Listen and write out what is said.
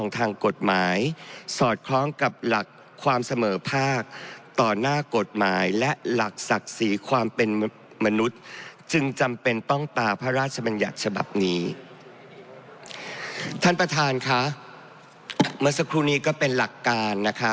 ทางกฎหมายสอดคล้องกับหลักความเสมอภาคต่อหน้ากฎหมายและหลักศักดิ์สีความเป็นมนุษย์จึงจำเป็นต้องตาพระราชบัญญัติฉบับนี้ท่านประธานค่ะเมื่อสักครู่นี้ก็เป็นหลักการนะคะ